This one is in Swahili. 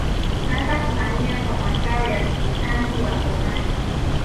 Hasa kuhamia kwa makao ya Sultani wa Omani